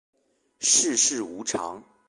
世事无常